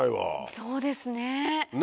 そうですね。